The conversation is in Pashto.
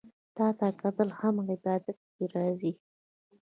تاته کتل هم عبادت کی راځي